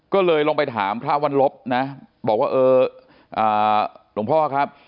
ก็เลยลงไปถามพระวันลบนะบอกว่าเออหลวงพ่อครับ